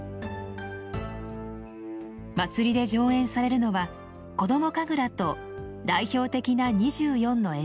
祭りで上演されるのは子ども神楽と代表的な２４の演目です。